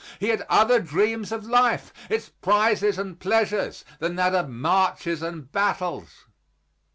He had other dreams of life, its prizes and pleasures, than that of marches and battles.